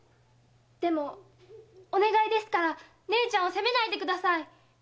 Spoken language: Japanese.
でもお願いですから姉ちゃんを責めないでください。